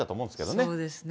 そうですね。